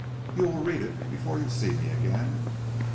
You will read it before you see me again?"